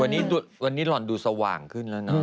วันนี้หล่อนดูสว่างขึ้นแล้วนะ